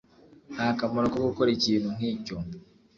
Nta kamaro ko gukora ikintu nkicyo.